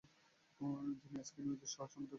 যিনি স্কাই নিউজের শহর সম্পাদক হিসেবে কাজ করেন।